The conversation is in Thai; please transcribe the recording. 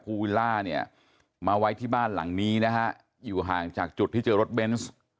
วิลล่าเนี่ยมาไว้ที่บ้านหลังนี้นะฮะอยู่ห่างจากจุดที่เจอรถเบนส์